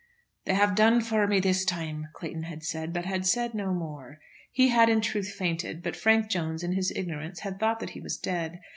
"They have done for me this time," Clayton had said, but had said no more. He had in truth fainted, but Frank Jones, in his ignorance, had thought that he was dead.